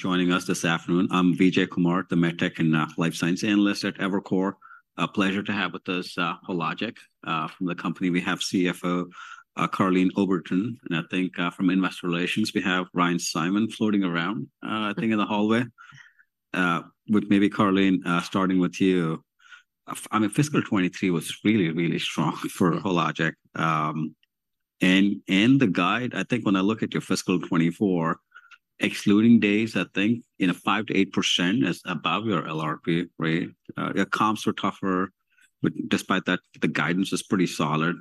Joining us this afternoon. I'm Vijay Kumar, the med tech and life science analyst at Evercore. A pleasure to have with us Hologic. From the company, we have CFO Karleen Oberton, and I think from investor relations, we have Ryan Simon floating around, I think in the hallway. With maybe Karleen starting with you. I mean, fiscal 2023 was really, really strong for Hologic. And the guide, I think when I look at your fiscal 2024, excluding days, I think in a 5%-8% is above your LRP rate. Your comps were tougher, but despite that, the guidance is pretty solid.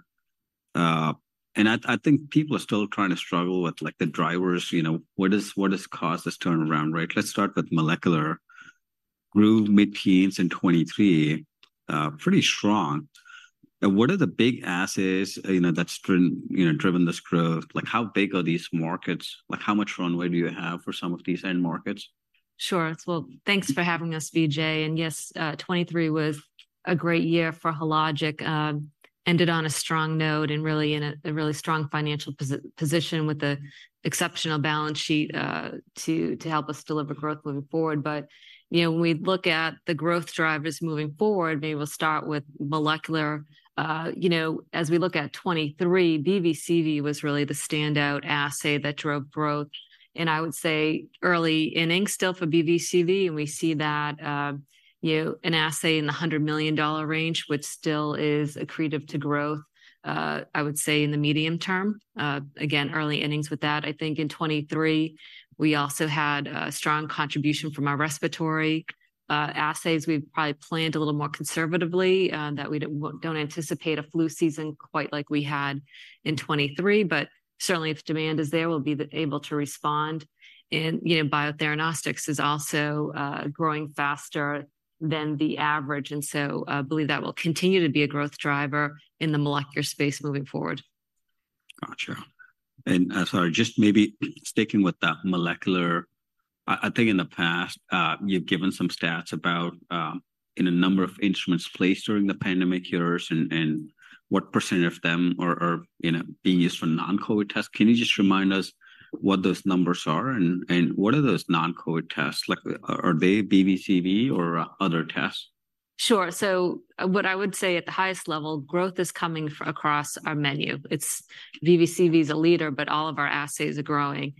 And I think people are still trying to struggle with, like, the drivers, you know, what is, what has caused this turnaround, right? Let's start with molecular. Grew mid-teens in 2023, pretty strong. Now, what are the big assays, you know, that's been, you know, driven this growth? Like, how big are these markets? Like, how much runway do you have for some of these end markets? Sure. Well, thanks for having us, Vijay. And yes, 2023 was a great year for Hologic. Ended on a strong note and really in a really strong financial position with an exceptional balance sheet, to help us deliver growth moving forward. But, you know, when we look at the growth drivers moving forward, maybe we'll start with molecular. You know, as we look at 2023, BV/CV was really the standout assay that drove growth, and I would say early innings still for BV/CV, and we see that, you know, an assay in the $100 million range, which still is accretive to growth, I would say in the medium term. Again, early innings with that. I think in 2023, we also had a strong contribution from our respiratory assays. We probably planned a little more conservatively that we don't anticipate a flu season quite like we had in 2023. But certainly, if demand is there, we'll be able to respond. And, you know, Biotheranostics is also growing faster than the average, and so I believe that will continue to be a growth driver in the molecular space moving forward. Gotcha. And, sorry, just maybe sticking with that molecular, I think in the past, you've given some stats about, in a number of instruments placed during the pandemic years and, what percentage of them are, you know, being used for non-COVID tests. Can you just remind us what those numbers are and, what are those non-COVID tests? Like, are they BV/CV or other tests? Sure. So what I would say at the highest level, growth is coming from across our menu. It's BV/CV's a leader, but all of our assays are growing.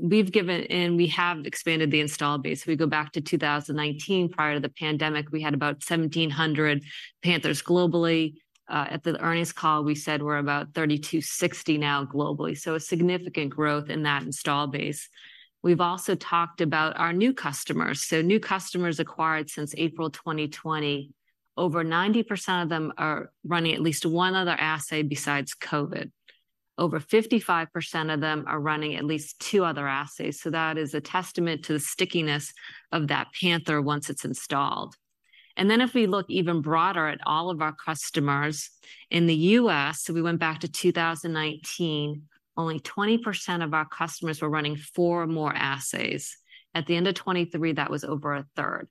We've given and we have expanded the install base. We go back to 2019, prior to the pandemic, we had about 1,700 Panthers globally. At the earnings call, we said we're about 3,260 now globally, so a significant growth in that install base. We've also talked about our new customers. So new customers acquired since April 2020, over 90% of them are running at least one other assay besides COVID. Over 55% of them are running at least two other assays, so that is a testament to the stickiness of that Panther once it's installed. If we look even broader at all of our customers, in the U.S., so we went back to 2019, only 20% of our customers were running four or more assays. At the end of 2023, that was over a third,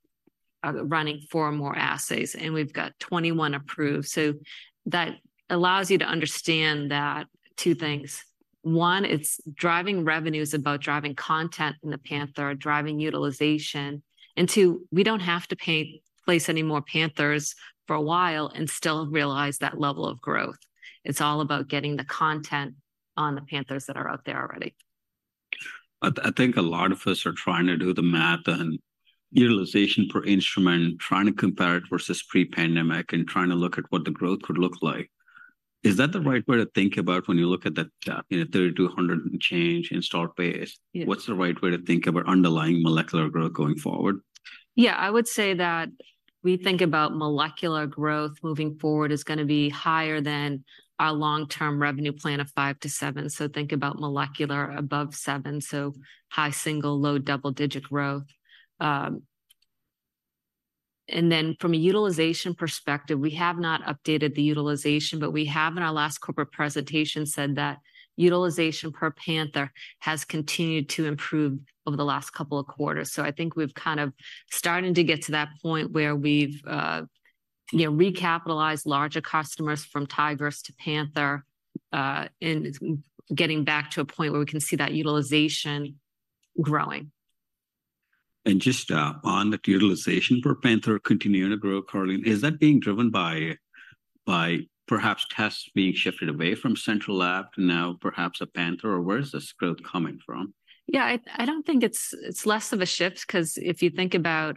running four or more assays, and we've got 21 approved. So that allows you to understand that two things: One, it's driving revenues about driving content in the Panther, driving utilization. And two, we don't have to place any more Panthers for a while and still realize that level of growth. It's all about getting the content on the Panthers that are out there already. I think a lot of us are trying to do the math and utilization per instrument, trying to compare it versus pre-pandemic and trying to look at what the growth could look like. Is that the right way to think about when you look at that, you know, 3,200 and change in install base? Yeah. What's the right way to think about underlying molecular growth going forward? Yeah, I would say that we think about molecular growth moving forward is gonna be higher than our long-term revenue plan of 5-7. So think about molecular above 7, so high single, low double-digit growth. And then from a utilization perspective, we have not updated the utilization, but we have in our last corporate presentation, said that utilization per Panther has continued to improve over the last couple of quarters. So I think we've kind of starting to get to that point where we've, you know, recapitalized larger customers from Tigris to Panther, and it's getting back to a point where we can see that utilization growing. Just, on the utilization per Panther continuing to grow, Caroline, is that being driven by perhaps tests being shifted away from Central Lab to now perhaps a Panther, or where is this growth coming from? Yeah, I, I don't think it's less of a shift, 'cause if you think about,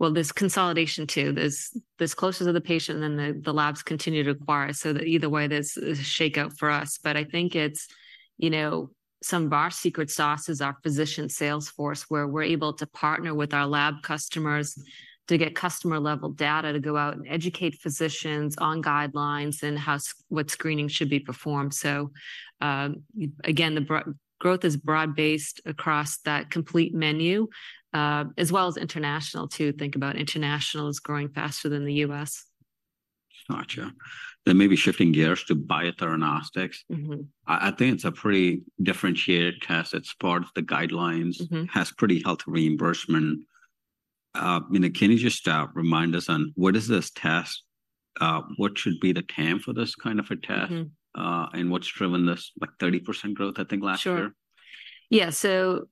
well, there's consolidation too. There's closures of the patient, and then the labs continue to acquire, so either way, there's a shakeout for us. But I think it's some of our secret sauce is our physician sales force, where we're able to partner with our lab customers to get customer-level data to go out and educate physicians on guidelines and how-- what screening should be performed. So, again, the growth is broad-based across that complete menu, as well as international too. Think about international is growing faster than the US. Gotcha. Then maybe shifting gears to Biotheranostics. Mm-hmm. I think it's a pretty differentiated test. It's part of the guidelines- Mm-hmm. has pretty healthy reimbursement. I mean, can you just remind us on what is this test? What should be the TAM for this kind of a test? Mm-hmm. And what's driven this, like, 30% growth, I think, last year? Sure. Yeah, so,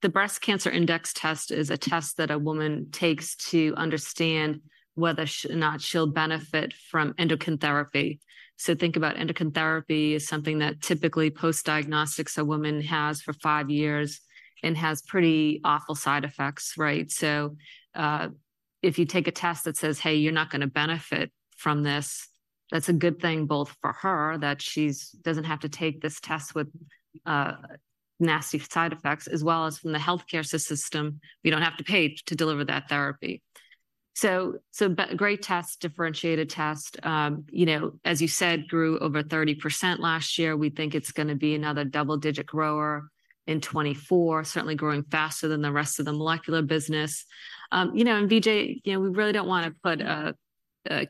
the Breast Cancer Index test is a test that a woman takes to understand whether or not she'll benefit from endocrine therapy. So think about endocrine therapy as something that typically post-diagnostic a woman has for five years and has pretty awful side effects, right? So, if you take a test that says, "Hey, you're not gonna benefit from this," that's a good thing both for her, that she doesn't have to take this test with, nasty side effects, as well as from the healthcare system. We don't have to pay to deliver that therapy. So, great test, differentiated test. You know, as you said, grew over 30% last year. We think it's gonna be another double-digit grower in 2024. Certainly growing faster than the rest of the molecular business. You know, and Vijay, you know, we really don't wanna put a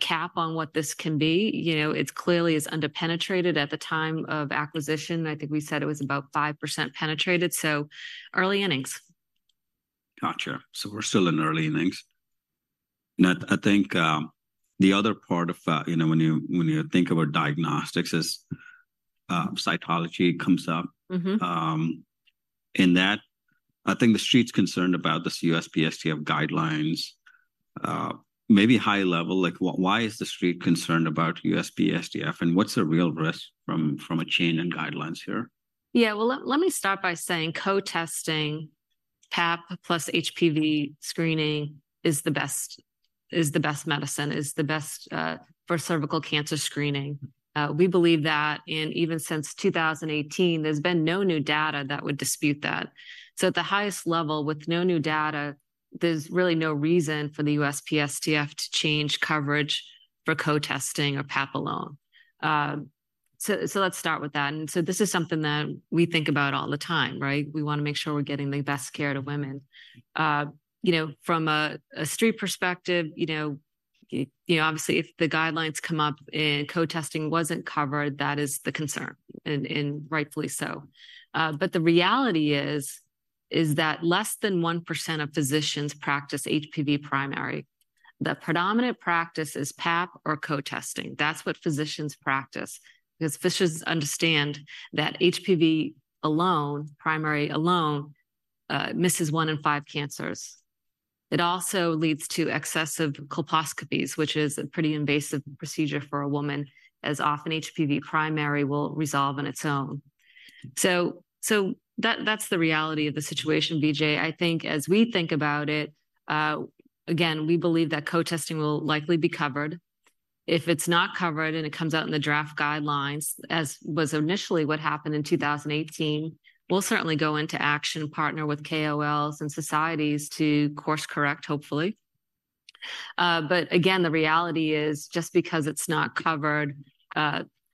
cap on what this can be. You know, it's clearly is under penetrated at the time of acquisition. I think we said it was about 5% penetrated, so early innings. Gotcha. So we're still in early innings. And I, I think, the other part of, you know, when you, when you think about diagnostics is, cytology comes up. Mm-hmm. In that, I think the Street's concerned about the USPSTF guidelines. Maybe high level, like, why is the Street concerned about USPSTF, and what's the real risk from a change in guidelines here? Yeah, well, let me start by saying co-testing, Pap plus HPV screening, is the best for cervical cancer screening. We believe that, and even since 2018, there's been no new data that would dispute that. So at the highest level, with no new data, there's really no reason for the USPSTF to change coverage for co-testing or Pap alone. So let's start with that, and so this is something that we think about all the time, right? We wanna make sure we're getting the best care to women. You know, from a street perspective, you know, obviously, if the guidelines come up and co-testing wasn't covered, that is the concern, and rightfully so. But the reality is that less than 1% of physicians practice HPV primary. The predominant practice is Pap or co-testing. That's what physicians practice. Because physicians understand that HPV alone, primary alone, misses one in five cancers. It also leads to excessive colposcopies, which is a pretty invasive procedure for a woman, as often HPV primary will resolve on its own. So that, that's the reality of the situation, Vijay. I think as we think about it, again, we believe that co-testing will likely be covered. If it's not covered and it comes out in the draft guidelines, as was initially what happened in 2018, we'll certainly go into action, partner with KOLs and societies to course correct, hopefully. But again, the reality is, just because it's not covered,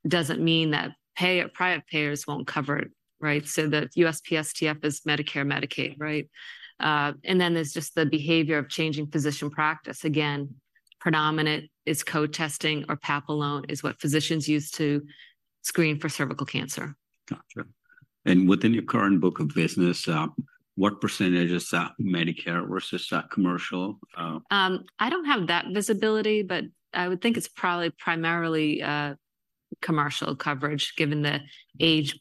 doesn't mean that private payers won't cover it, right? So the USPSTF is Medicare/Medicaid, right? And then there's just the behavior of changing physician practice. Again, predominant is Co-testing or Pap alone, is what physicians use to screen for cervical cancer. Gotcha. And within your current book of business, what percentage is Medicare versus commercial? I don't have that visibility, but I would think it's probably primarily commercial coverage, given the age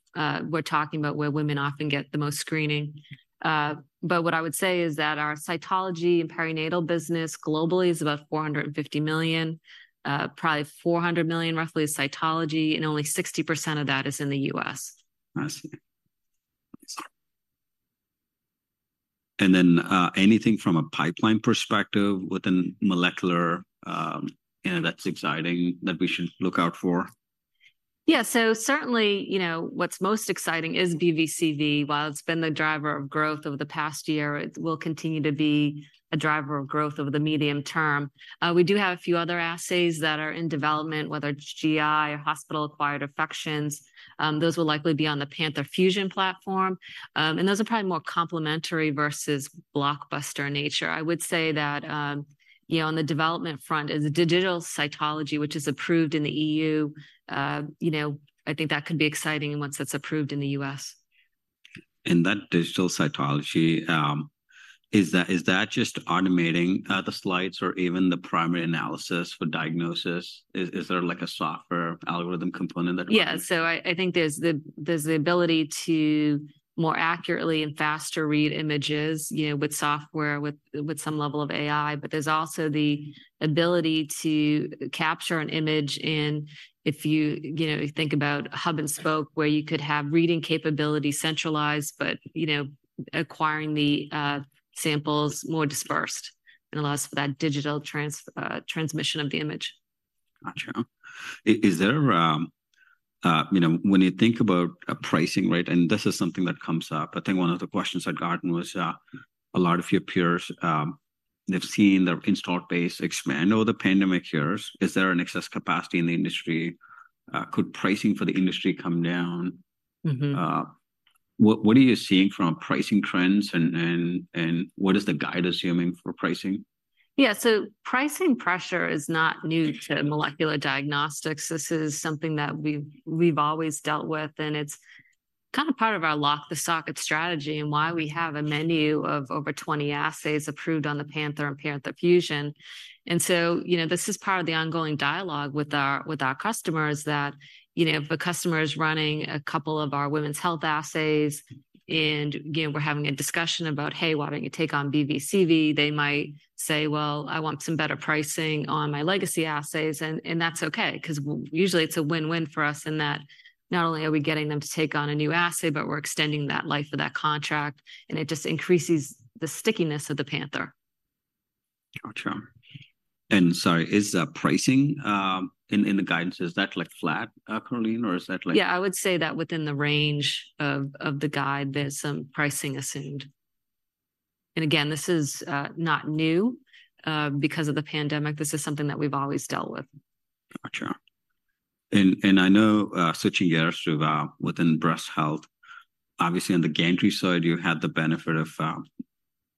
we're talking about, where women often get the most screening. But what I would say is that our cytology and perinatal business globally is about $450 million, probably $400 million, roughly, is cytology, and only 60% of that is in the US. I see. And then, anything from a pipeline perspective within molecular, you know, that's exciting that we should look out for? Yeah. So certainly, you know, what's most exciting is BV/CV. While it's been the driver of growth over the past year, it will continue to be a driver of growth over the medium term. We do have a few other assays that are in development, whether it's GI or hospital-acquired infections. Those will likely be on the Panther Fusion platform. And those are probably more complementary versus blockbuster in nature. I would say that, you know, on the development front is the digital cytology, which is approved in the EU. You know, I think that could be exciting once it's approved in the US. That digital cytology, is that just automating the slides or even the primary analysis for diagnosis? Is there, like, a software algorithm component that- Yeah, so I think there's the ability to more accurately and faster read images, you know, with software, with some level of AI. But there's also the ability to capture an image in, if you, you know, think about hub and spoke, where you could have reading capability centralized, but, you know, acquiring the samples more dispersed. It allows for that digital transmission of the image. Gotcha. Is there... You know, when you think about a pricing rate, and this is something that comes up, I think one of the questions at Garten was, a lot of your peers, they've seen their install base expand over the pandemic years. Is there an excess capacity in the industry? Could pricing for the industry come down? Mm-hmm. What are you seeing from pricing trends, and what is the guide assuming for pricing?... Yeah, so pricing pressure is not new to molecular diagnostics. This is something that we've always dealt with, and it's kind of part of our lock the socket strategy and why we have a menu of over 20 assays approved on the Panther and Panther Fusion. And so, you know, this is part of the ongoing dialogue with our customers that, you know, if a customer is running a couple of our women's health assays, and, again, we're having a discussion about, "Hey, why don't you take on BV CV?" They might say, "Well, I want some better pricing on my legacy assays." And that's okay, 'cause usually it's a win-win for us in that not only are we getting them to take on a new assay, but we're extending that life of that contract, and it just increases the stickiness of the Panther. Gotcha. And sorry, is the pricing in the guidance, is that like flat currently, or is that? Yeah, I would say that within the range of the guide, there's some pricing assumed. And again, this is not new. Because of the pandemic, this is something that we've always dealt with. Gotcha. And, and I know, switching gears to, within breast health, obviously on the gantry side, you had the benefit of,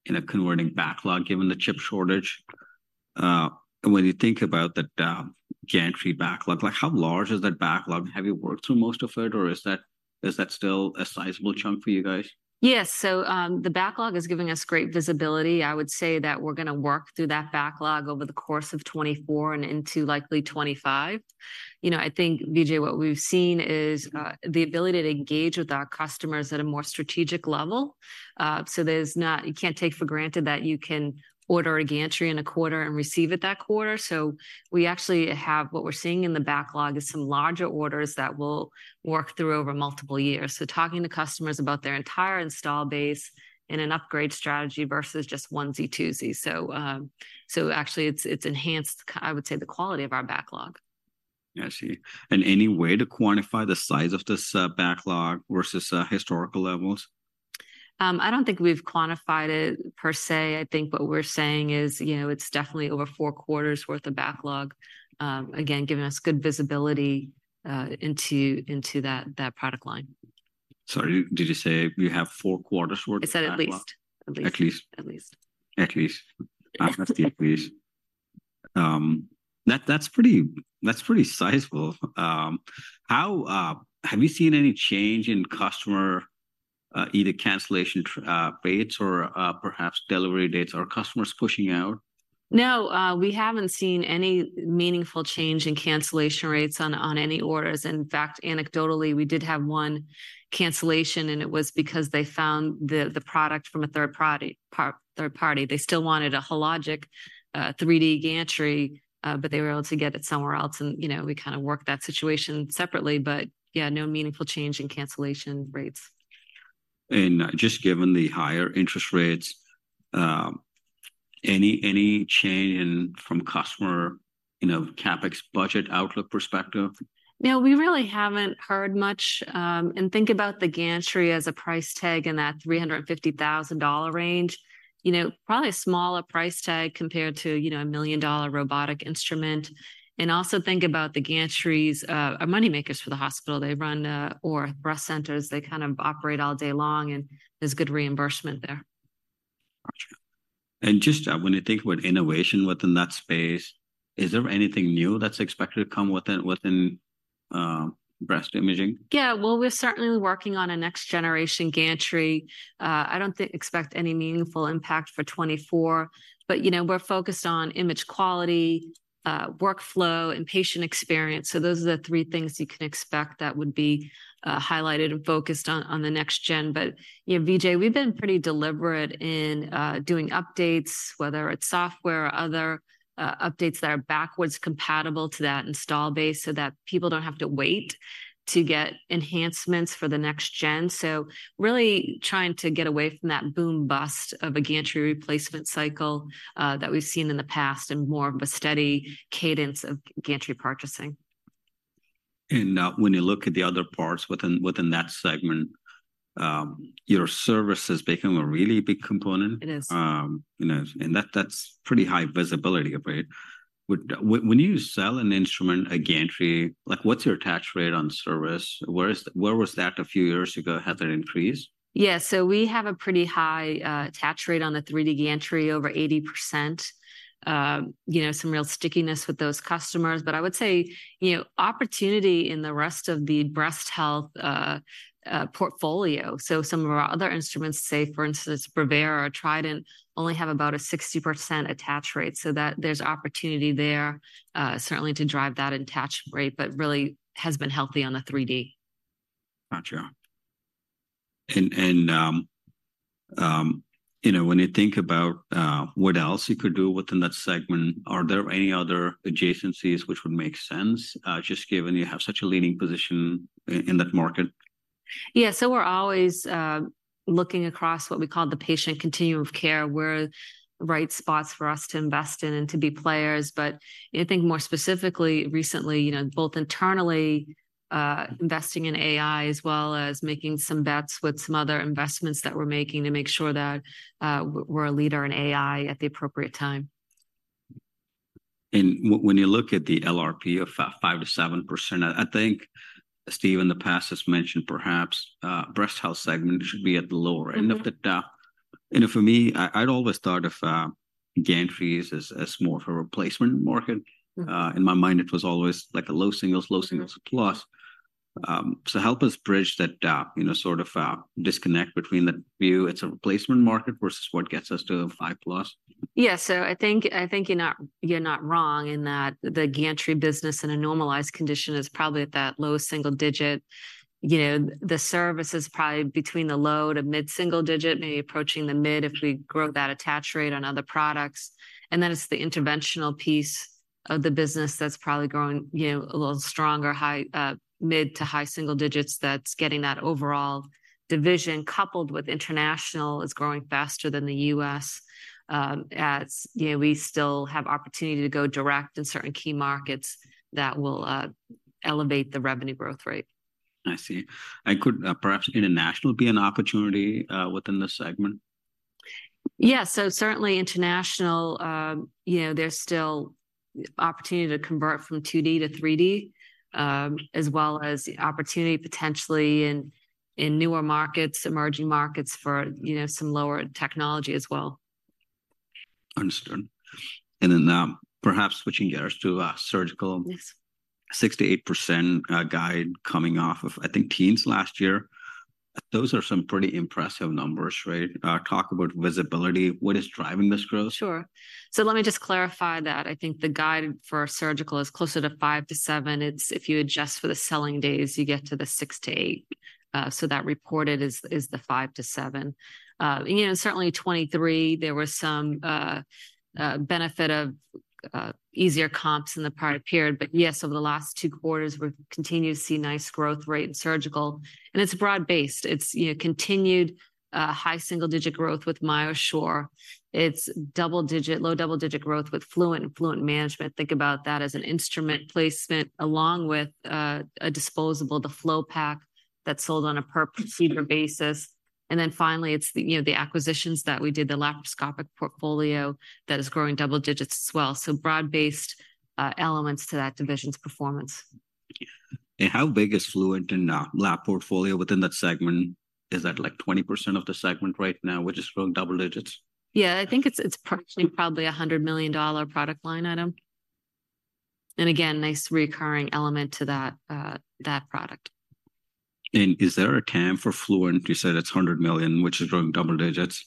in a converting backlog, given the chip shortage. When you think about the, gantry backlog, like, how large is that backlog? Have you worked through most of it, or is that, is that still a sizable chunk for you guys? Yes. So, the backlog is giving us great visibility. I would say that we're gonna work through that backlog over the course of 2024 and into likely 2025. You know, I think, Vijay, what we've seen is, the ability to engage with our customers at a more strategic level. So there's not... You can't take for granted that you can order a gantry in a quarter and receive it that quarter. So we actually have-- what we're seeing in the backlog is some larger orders that we'll work through over multiple years. So talking to customers about their entire install base and an upgrade strategy versus just onesie-twosie. So, so actually, it's, it's enhanced, I would say, the quality of our backlog. I see. And any way to quantify the size of this backlog versus historical levels? I don't think we've quantified it per se. I think what we're saying is, you know, it's definitely over four quarters worth of backlog, again, giving us good visibility into that product line. Sorry, did you say you have 4 quarters worth of backlog? I said at least. At least. At least. At least. At least. That's pretty sizable. How have you seen any change in customer either cancellation rates or perhaps delivery dates? Are customers pushing out? No, we haven't seen any meaningful change in cancellation rates on any orders. In fact, anecdotally, we did have one cancellation, and it was because they found the product from a third party. They still wanted a Hologic 3D Gantry, but they were able to get it somewhere else. You know, we kind of worked that situation separately, but yeah, no meaningful change in cancellation rates. Just given the higher interest rates, any change in from customer, you know, CapEx budget outlook perspective? No, we really haven't heard much. Think about the gantry as a price tag in that $350,000 range. You know, probably a smaller price tag compared to, you know, a $1 million-dollar robotic instrument. Also think about the gantries are money makers for the hospital. They run or breast centers. They kind of operate all day long, and there's good reimbursement there. Gotcha. And just, when you think about innovation within that space, is there anything new that's expected to come within breast imaging? Yeah, well, we're certainly working on a next-generation gantry. I don't think expect any meaningful impact for 2024, but, you know, we're focused on image quality, workflow, and patient experience. So those are the three things you can expect that would be highlighted and focused on, on the next gen. But, you know, Vijay, we've been pretty deliberate in doing updates, whether it's software or other updates that are backwards compatible to that install base, so that people don't have to wait to get enhancements for the next gen. So really trying to get away from that boom-bust of a gantry replacement cycle that we've seen in the past and more of a steady cadence of gantry purchasing. When you look at the other parts within that segment, your service has become a really big component. It is. You know, and that, that's pretty high visibility of it. When you sell an instrument, a gantry, like, what's your attach rate on service? Where was that a few years ago? Has it increased? Yeah, so we have a pretty high attach rate on the 3D gantry, over 80%. You know, some real stickiness with those customers. But I would say, you know, opportunity in the rest of the breast health portfolio. So some of our other instruments, say, for instance, Brevera or Trident, only have about a 60% attach rate. So there's opportunity there, certainly to drive that attach rate, but really has been healthy on the 3D. Gotcha. You know, when you think about what else you could do within that segment, are there any other adjacencies which would make sense, just given you have such a leading position in that market? Yeah, so we're always looking across what we call the patient continuum of care, where the right spots for us to invest in and to be players. But I think more specifically recently, you know, both internally, investing in AI as well as making some bets with some other investments that we're making to make sure that we're a leader in AI at the appropriate time.... and when you look at the LRP of 5%-7%, I, I think Steve in the past has mentioned perhaps, breast health segment should be at the lower end- Mm-hmm... of the gap. You know, for me, I, I'd always thought of gantries as more of a replacement market. Mm. In my mind, it was always like a low singles, low single plus. So help us bridge that gap, you know, sort of, disconnect between the view it's a replacement market versus what gets us to a 5 plus. Yeah. So I think, I think you're not, you're not wrong in that. The gantry business in a normalized condition is probably at that low single digit. You know, the service is probably between the low to mid single digit, maybe approaching the mid if we grow that attach rate on other products. And then it's the interventional piece of the business that's probably growing, you know, a little stronger, high, mid to high single digits that's getting that overall division, coupled with international, is growing faster than the U.S. As you know, we still have opportunity to go direct in certain key markets that will elevate the revenue growth rate. I see. And could, perhaps international be an opportunity, within this segment? Yeah, so certainly international, you know, there's still opportunity to convert from 2D to 3D, as well as the opportunity potentially in newer markets, emerging markets for, you know, some lower technology as well. Understood. Perhaps switching gears to surgical. Yes. 6%-8% guide coming off of, I think, teens last year. Those are some pretty impressive numbers, right? Talk about visibility. What is driving this growth? Sure. So let me just clarify that. I think the guide for surgical is closer to 5-7. It's if you adjust for the selling days, you get to the 6-8. So that reported is the 5-7. You know, certainly 2023, there were some benefit of easier comps in the prior period. But yes, over the last two quarters, we're continue to see nice growth rate in surgical, and it's broad-based. It's continued high single-digit growth with MyoSure. It's double-digit low double-digit growth with Fluent and Fluent Management. Think about that as an instrument placement, along with a disposable, the FloPak, that's sold on a per-procedure basis. And then finally, it's the, you know, the acquisitions that we did, the laparoscopic portfolio, that is growing double-digits as well. Broad-based elements to that division's performance. How big is Fluent and lab portfolio within that segment? Is that like 20% of the segment right now, which is growing double digits? Yeah, I think it's approximately probably $100 million product line item. Again, nice recurring element to that product. Is there a TAM for Fluent? You said it's $100 million, which is growing double digits.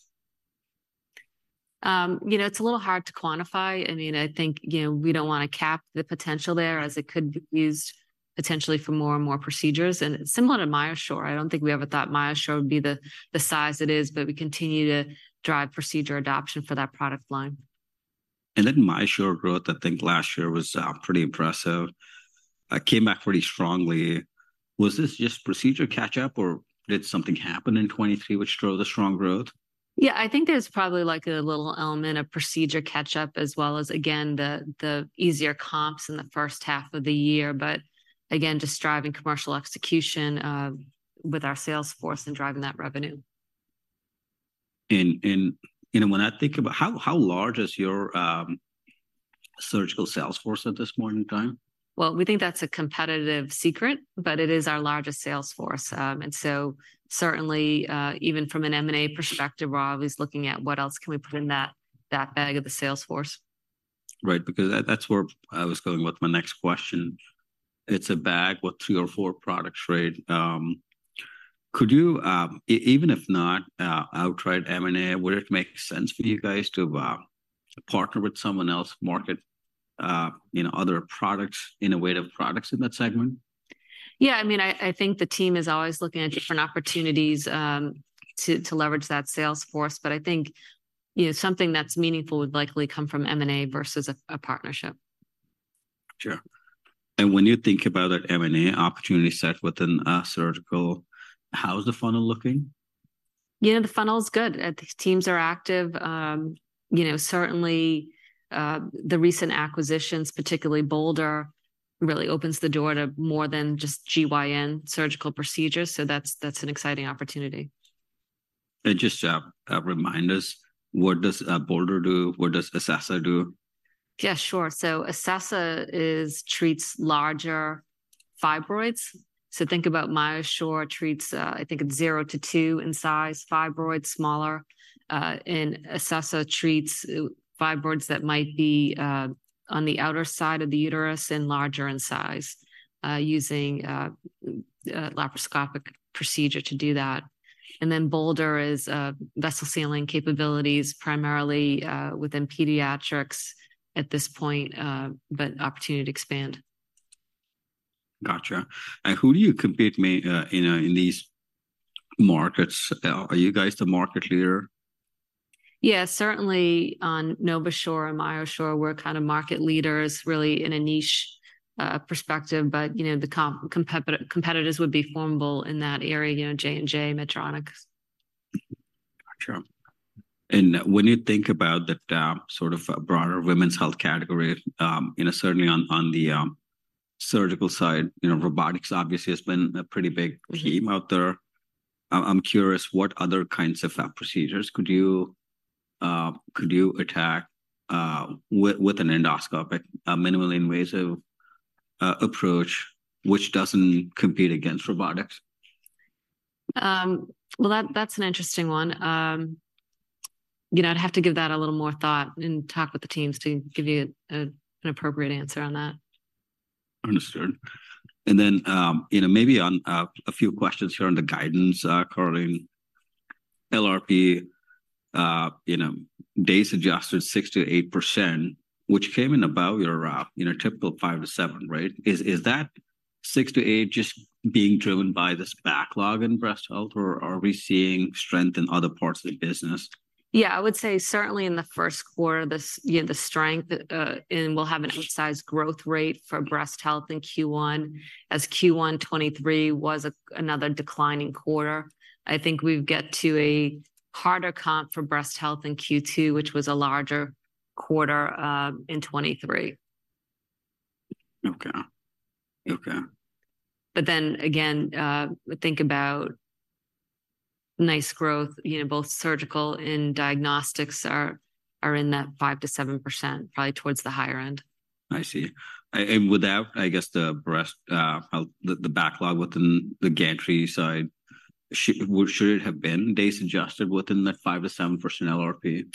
You know, it's a little hard to quantify. I mean, I think, you know, we don't want to cap the potential there, as it could be used potentially for more and more procedures. And similar to MyoSure, I don't think we ever thought MyoSure would be the size it is, but we continue to drive procedure adoption for that product line. And then MyoSure growth, I think, last year was pretty impressive. Came back pretty strongly. Was this just procedure catch-up, or did something happen in 2023, which drove the strong growth? Yeah, I think there's probably, like, a little element of procedure catch-up, as well as, again, the easier comps in the first half of the year. But again, just driving commercial execution with our sales force and driving that revenue. You know, when I think about how large is your surgical sales force at this point in time? Well, we think that's a competitive secret, but it is our largest sales force. And so certainly, even from an M&A perspective, we're always looking at what else can we put in that bag of the sales force. Right, because that, that's where I was going with my next question. It's a bag with three or four products, right? Could you, even if not outright M&A, would it make sense for you guys to partner with someone else, market, you know, other products, innovative products in that segment? Yeah, I mean, I think the team is always looking at different opportunities to leverage that sales force, but I think, you know, something that's meaningful would likely come from M&A versus a partnership. Sure. And when you think about that M&A opportunity set within surgical, how's the funnel looking? You know, the funnel's good. The teams are active. You know, certainly, the recent acquisitions, particularly Bolder, really opens the door to more than just GYN surgical procedures, so that's, that's an exciting opportunity. Just remind us, what does Bolder do? What does Acessa do? Yeah, sure. So Acessa treats larger fibroids. So think about MyoSure treats, I think it's 0-2 in size, fibroids, smaller. And Acessa treats fibroids that might be on the outer side of the uterus and larger in size, using a laparoscopic procedure to do that. And then Bolder is vessel sealing capabilities, primarily within pediatrics at this point, but opportunity to expand. Gotcha. And who do you compete, you know, in these markets? Are you guys the market leader? Yeah, certainly on NovaSure and MyoSure, we're kind of market leaders, really in a niche perspective, but, you know, the competitors would be formidable in that area, you know, J&J, Medtronic. Gotcha. And when you think about the sort of broader women's health category, you know, certainly on the surgical side, you know, robotics obviously has been a pretty big theme out there. I'm curious what other kinds of procedures could you attack with an endoscopic, a minimally invasive approach, which doesn't compete against robotics? Well, that's an interesting one. You know, I'd have to give that a little more thought and talk with the teams to give you an appropriate answer on that. Understood. And then, you know, maybe on a few questions here on the guidance currently. LRP, you know, days adjusted 6%-8%, which came in above your, you know, typical 5%-7%, right? Is that 6%-8% just being driven by this backlog in breast health, or are we seeing strength in other parts of the business? Yeah, I would say certainly in the first quarter, the strength, you know, and we'll have an outsized growth rate for breast health in Q1, as Q1 2023 was a, another declining quarter. I think we've get to a harder comp for breast health in Q2, which was a larger quarter, in 2023. Okay. Okay. But then again, think about nice growth, you know, both surgical and diagnostics are in that 5%-7%, probably towards the higher end. I see. And without, I guess, the breast, the backlog within the gantry side, should it have been days adjusted within the 5%-7% LRP?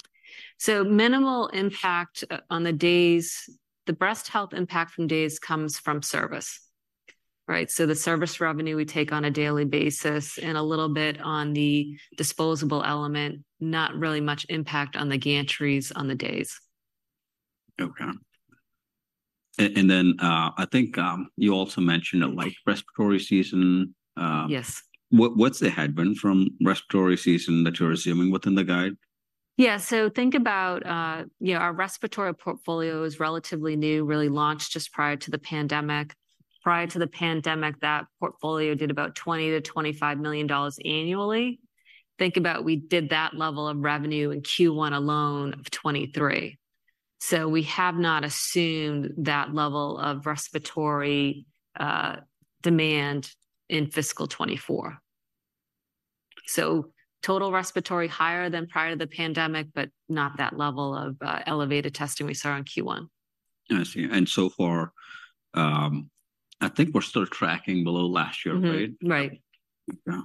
So minimal impact on the days... The breast health impact from days comes from service, right? So the service revenue we take on a daily basis and a little bit on the disposable element, not really much impact on the gantries on the days. Okay. And then, I think, you also mentioned a light- Mm. respiratory season, Yes. What's the headwind from respiratory season that you're assuming within the guide? Yeah, so think about, you know, our respiratory portfolio is relatively new, really launched just prior to the pandemic. Prior to the pandemic, that portfolio did about $20-$25 million annually. Think about we did that level of revenue in Q1 alone of 2023. So we have not assumed that level of respiratory demand in fiscal 2024. So total respiratory higher than prior to the pandemic, but not that level of elevated testing we saw in Q1. I see. And so far, I think we're still tracking below last year, right? Mm-hmm. Right. Yeah.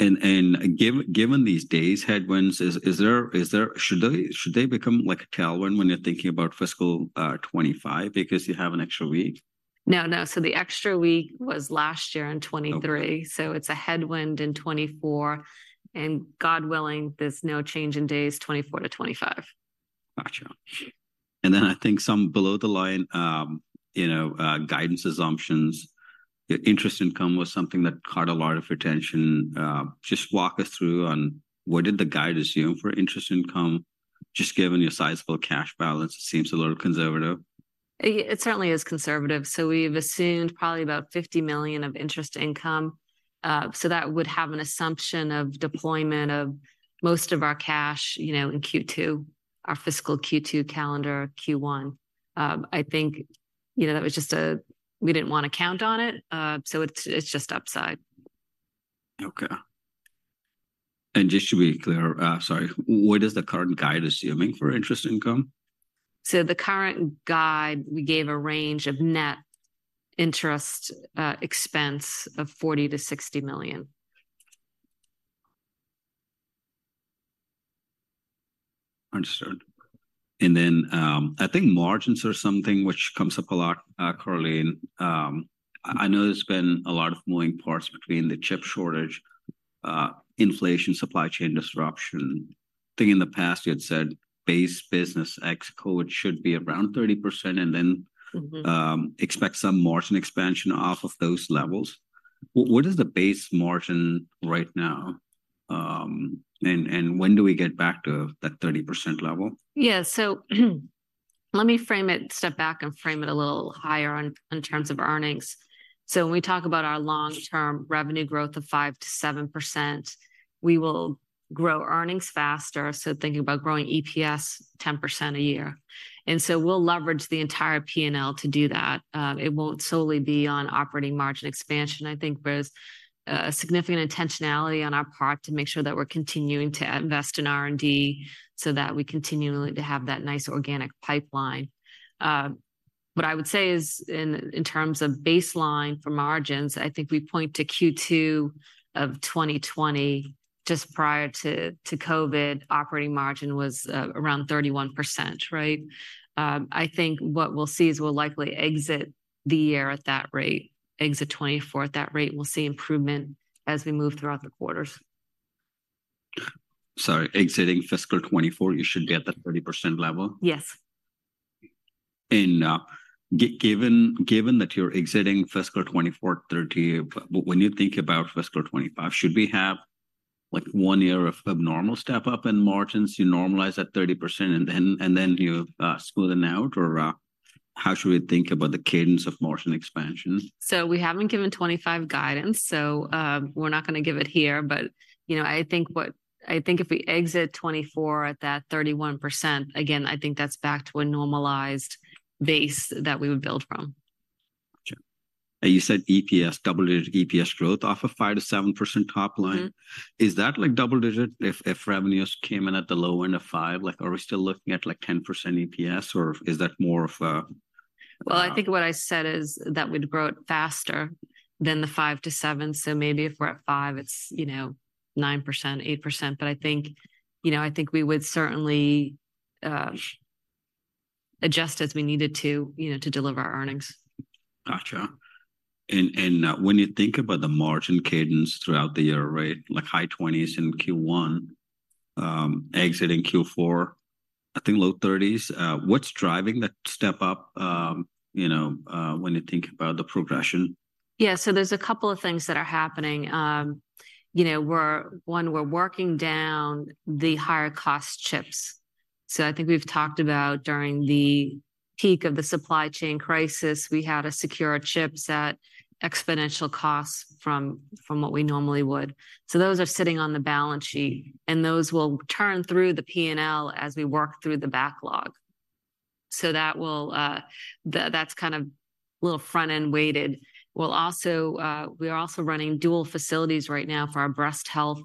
And given these days headwinds, is there—should they become like a tailwind when you're thinking about fiscal 2025 because you have an extra week? No, no. So the extra week was last year in 2023. Okay. It's a headwind in 2024, and God willing, there's no change in days 2024 to 2025. Gotcha. And then I think some below the line, you know, guidance assumptions, the interest income was something that caught a lot of attention. Just walk us through on what did the guide assume for interest income, just given your sizable cash balance, it seems a little conservative. It certainly is conservative. So we've assumed probably about $50 million of interest income. So that would have an assumption of deployment of most of our cash, you know, in Q2, our fiscal Q2, calendar Q1. I think, you know, that was just, we didn't want to count on it, so it's just upside. Okay. And just to be clear, sorry, what is the current guide assuming for interest income? So the current guide, we gave a range of net interest expense of $40 million-$60 million. Understood. And then, I think margins are something which comes up a lot, currently. I know there's been a lot of moving parts between the chip shortage, inflation, supply chain disruption. I think in the past you had said base business ex code should be around 30%, and then- Mm-hmm... expect some margin expansion off of those levels. What is the base margin right now, and when do we get back to that 30% level? Yeah, so, let me frame it, step back and frame it a little higher on, in terms of earnings. So when we talk about our long-term revenue growth of 5%-7%, we will grow earnings faster, so thinking about growing EPS 10% a year. And so we'll leverage the entire P&L to do that. It won't solely be on operating margin expansion, I think there's a significant intentionality on our part to make sure that we're continuing to invest in R&D, so that we continue to have that nice organic pipeline. What I would say is in terms of baseline for margins, I think we point to Q2 of 2020, just prior to COVID, operating margin was around 31%, right? I think what we'll see is we'll likely exit the year at that rate, exit 2024 at that rate, and we'll see improvement as we move throughout the quarters. Sorry, exiting fiscal 2024, you should be at that 30% level? Yes. Given that you're exiting fiscal 2024-2030, but when you think about fiscal 2025, should we have, like, one year of abnormal step up in margins, you normalize that 30%, and then you smooth it out? Or, how should we think about the cadence of margin expansion? We haven't given 2025 guidance, so we're not going to give it here. But, you know, I think if we exit 2024 at that 31%, again, I think that's back to a normalized base that we would build from. Gotcha. You said EPS, double-digit EPS growth off of 5%-7% top line. Mm-hmm. Is that, like, double-digit if revenues came in at the low end of five? Like, are we still looking at, like, 10% EPS, or is that more of a- Well, I think what I said is that we'd grow it faster than the 5%-7%, so maybe if we're at 5%, it's, you know, 9%, 8%. But I think, you know, I think we would certainly adjust as we needed to, you know, to deliver our earnings. Gotcha. And when you think about the margin cadence throughout the year, right, like high twenties in Q1, exiting Q4, I think low thirties, what's driving that step up, you know, when you think about the progression? Yeah. So there's a couple of things that are happening. You know, we're one, we're working down the higher-cost chips. So I think we've talked about during the peak of the supply chain crisis, we had to secure our chips at exponential costs from, from what we normally would. So those are sitting on the balance sheet, and those will turn through the P&L as we work through the backlog. So that will, that's kind of a little front-end weighted. We'll also, we are also running dual facilities right now for our breast health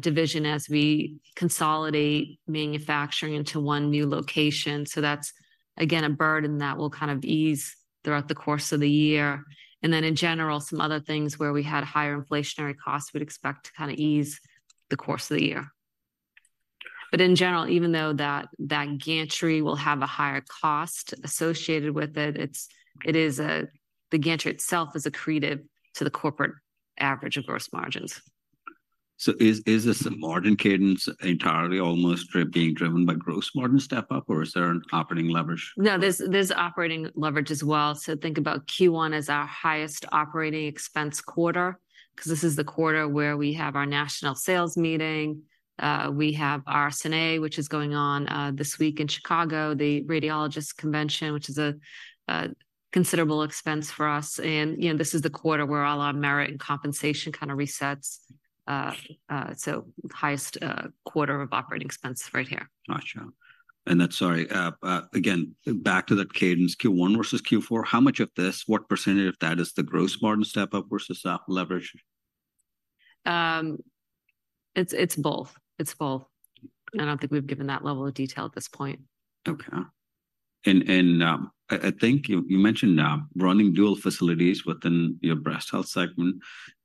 division as we consolidate manufacturing into one new location. So that's, again, a burden that will kind of ease throughout the course of the year. And then, in general, some other things where we had higher inflationary costs, we'd expect to kind of ease the course of the year. In general, even though that gantry will have a higher cost associated with it, it is, the gantry itself, is accretive to the corporate average of gross margins. So is this a margin cadence entirely, almost being driven by gross margin step-up, or is there an operating leverage? No, there's operating leverage as well. So think about Q1 as our highest operating expense quarter, because this is the quarter where we have our national sales meeting, we have RSNA, which is going on this week in Chicago, the Radiologists' Convention, which is a considerable expense for us. And, you know, this is the quarter where all our merit and compensation kind of resets. So highest quarter of operating expense right here. Gotcha. And then, sorry, again, back to that cadence, Q1 versus Q4, how much of this, what percentage of that is the gross margin step up versus SG&A leverage? It's, it's both. It's both. I don't think we've given that level of detail at this point. Okay. And I think you mentioned running dual facilities within your breast health segment.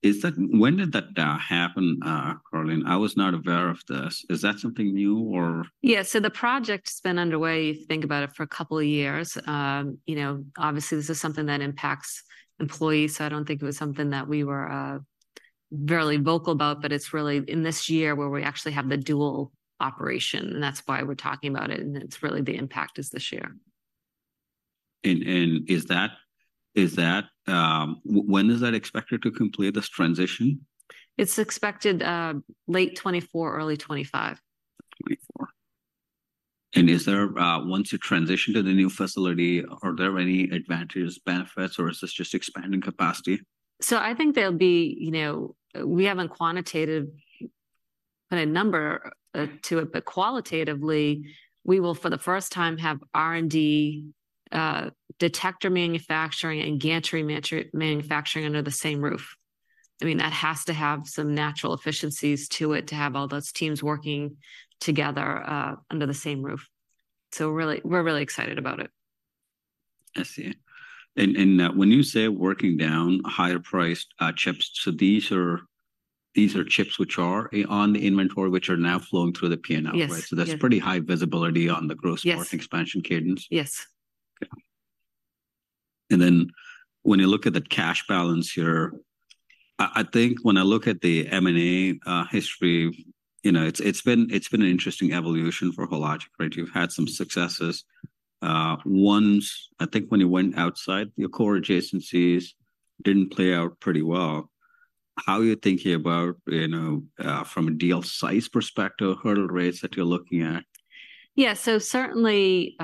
Is that? When did that happen, Carolyn? I was not aware of this. Is that something new, or...? Yeah, so the project's been underway, if you think about it, for a couple of years. You know, obviously, this is something that impacts employees, so I don't think it was something that we were very vocal about, but it's really in this year where we actually have the dual operation, and that's why we're talking about it, and it's really the impact is this year. When is that expected to complete this transition? It's expected, late 2024, early 2025. '24. Is there, once you transition to the new facility, are there any advantages, benefits, or is this just expanding capacity? So I think there'll be, you know, we haven't quantitated, put a number to it, but qualitatively, we will, for the first time, have R&D, detector manufacturing and gantry manufacturing under the same roof. I mean, that has to have some natural efficiencies to it, to have all those teams working together under the same roof. So we're really, we're really excited about it. I see. And when you say working down higher-priced chips, so these are, these are chips which are on the inventory, which are now flowing through the P&L, right? Yes. There's pretty high visibility on the gross- Yes margin expansion cadence? Yes. Okay. And then, when you look at the cash balance here, I think when I look at the M&A history, you know, it's been an interesting evolution for Hologic, right? You've had some successes. Ones, I think when you went outside your core adjacencies didn't play out pretty well. How are you thinking about, you know, from a deal size perspective, hurdle rates that you're looking at? Yeah. So certainly,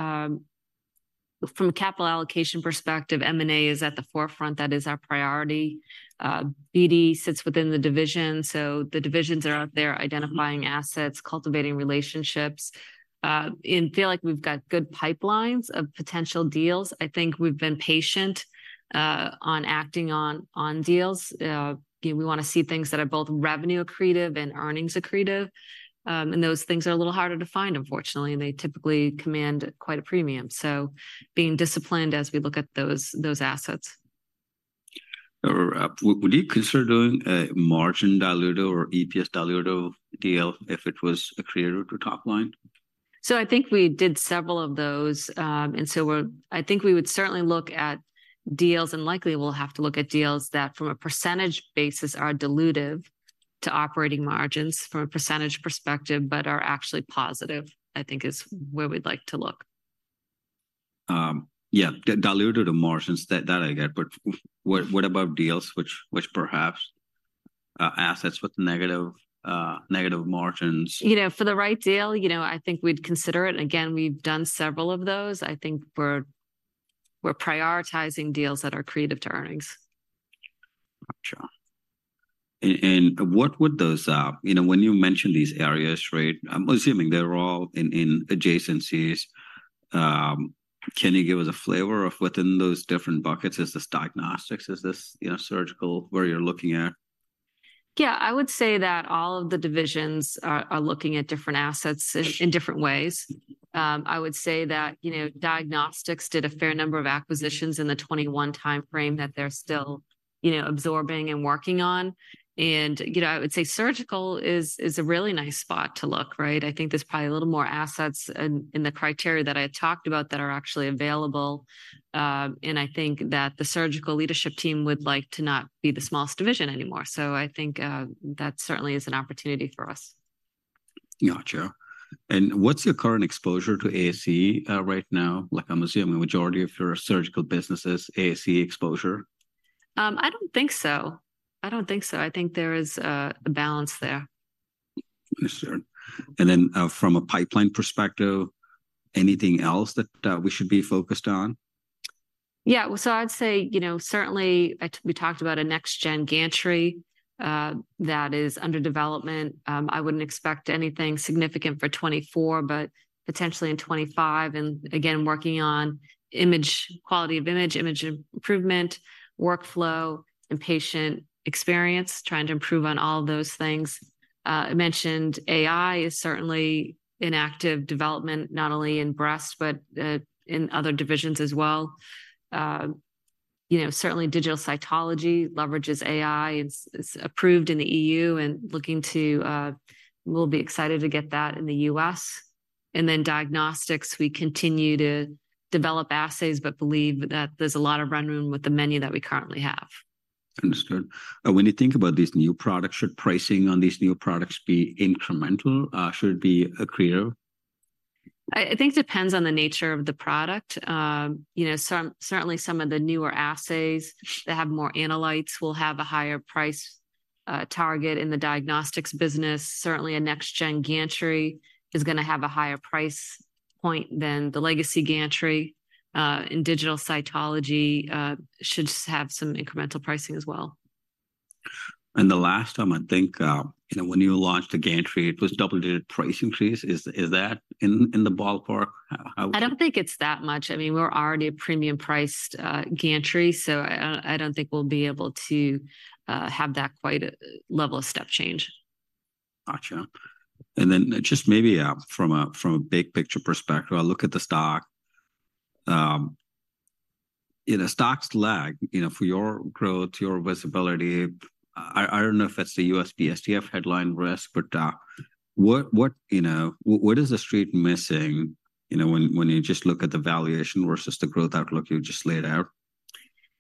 from a capital allocation perspective, M&A is at the forefront. That is our priority. BD sits within the division, so the divisions are out there identifying assets, cultivating relationships, and feel like we've got good pipelines of potential deals. I think we've been patient, on acting on, on deals. Again, we want to see things that are both revenue accretive and earnings accretive, and those things are a little harder to find, unfortunately, and they typically command quite a premium. So being disciplined as we look at those, those assets. Would you consider doing a margin dilutive or EPS dilutive deal if it was accretive to top line? I think we did several of those. I think we would certainly look at deals, and likely we'll have to look at deals that, from a percentage basis, are dilutive to operating margins from a percentage perspective, but are actually positive, I think, is where we'd like to look. Yeah, dilutive to margins, that I get, but what about deals which perhaps assets with negative margins? You know, for the right deal, you know, I think we'd consider it. Again, we've done several of those. I think we're prioritizing deals that are accretive to earnings.... Gotcha. And what would those, you know, when you mention these areas, right, I'm assuming they're all in adjacencies. Can you give us a flavor of within those different buckets? Is this diagnostics? Is this, you know, surgical, where you're looking at? Yeah, I would say that all of the divisions are looking at different assets in different ways. I would say that, you know, diagnostics did a fair number of acquisitions in the 2021 timeframe, that they're still, you know, absorbing and working on. And, you know, I would say surgical is a really nice spot to look, right? I think there's probably a little more assets in the criteria that I talked about that are actually available. And I think that the surgical leadership team would like to not be the smallest division anymore. So I think that certainly is an opportunity for us. Gotcha. And what's your current exposure to ASE right now? Like, I'm assuming majority of your surgical business is ASE exposure. I don't think so. I don't think so. I think there is a balance there. Understood. From a pipeline perspective, anything else that we should be focused on? Yeah. So I'd say, you know, certainly, we talked about a next-gen gantry, that is under development. I wouldn't expect anything significant for 2024, but potentially in 2025. And again, working on quality of image, image improvement, workflow, and patient experience, trying to improve on all those things. I mentioned AI is certainly in active development, not only in breast, but in other divisions as well. You know, certainly digital cytology leverages AI. It's, it's approved in the E.U., and looking to, we'll be excited to get that in the U.S. And then diagnostics, we continue to develop assays, but believe that there's a lot of run room with the many that we currently have. Understood. When you think about these new products, should pricing on these new products be incremental? Should it be accretive? I think it depends on the nature of the product. You know, certainly some of the newer assays that have more analytes will have a higher price target in the diagnostics business. Certainly, a next-gen gantry is gonna have a higher price point than the legacy gantry. And digital cytology should have some incremental pricing as well. And the last time, I think, you know, when you launched the gantry, it was double-digit price increase. Is that in the ballpark? How- I don't think it's that much. I mean, we're already a premium-priced gantry, so I don't think we'll be able to have that quite a level of step change. Gotcha. And then just maybe from a big picture perspective, I look at the stock. You know, stocks lag, you know, for your growth, your visibility. I don't know if it's the USPSTF headline risk, but what, you know, what is the Street missing, you know, when you just look at the valuation versus the growth outlook you just laid out?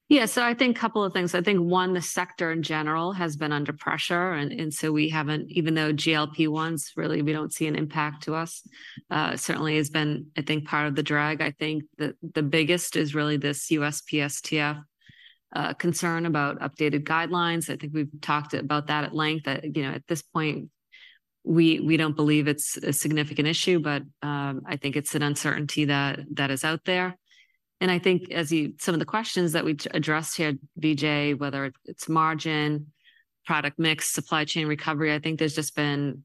Yeah. So I think couple of things. I think, one, the sector in general has been under pressure, and so we haven't, even though GLP-1s, really, we don't see an impact to us. Certainly, it's been, I think, part of the drag. I think the biggest is really this USPSTF concern about updated guidelines. I think we've talked about that at length. You know, at this point, we don't believe it's a significant issue, but I think it's an uncertainty that is out there. And I think as you, some of the questions that we addressed here, Vijay, whether it's margin, product mix, supply chain recovery, I think there's just been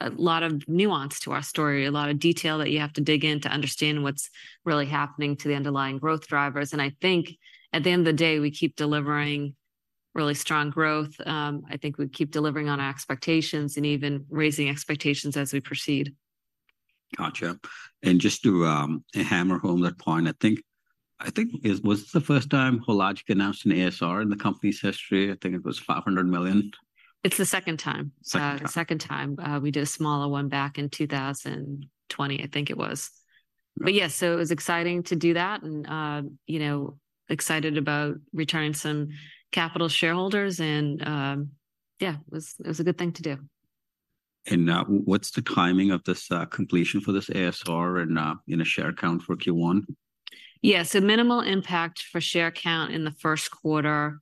a lot of nuance to our story, a lot of detail that you have to dig in to understand what's really happening to the underlying growth drivers. I think at the end of the day, we keep delivering really strong growth. I think we keep delivering on our expectations and even raising expectations as we proceed. Gotcha. Just to hammer home that point, I think, I think it was the first time Hologic announced an ASR in the company's history. I think it was $500 million. It's the second time. Second time. The second time. We did a smaller one back in 2020, I think it was. Right. But yeah, so it was exciting to do that and, you know, excited about returning some capital to shareholders and, yeah, it was, it was a good thing to do. What's the timing of this completion for this ASR and, you know, share count for Q1? Yeah. So minimal impact for share count in the first quarter.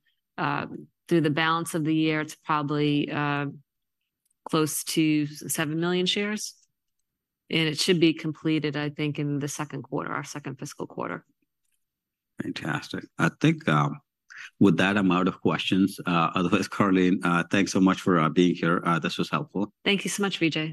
Through the balance of the year, it's probably close to 7 million shares, and it should be completed, I think, in the second quarter, our second fiscal quarter. Fantastic. I think, with that, I'm out of questions. Otherwise, Karleen, thanks so much for being here. This was helpful. Thank you so much, Vijay.